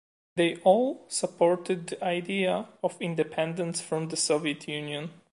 They all supported the idea of independence from the Soviet Union.